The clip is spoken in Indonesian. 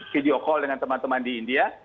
video call dengan teman teman di india